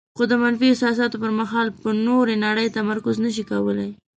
خو د منفي احساساتو پر مهال په نورې نړۍ تمرکز نشي کولای.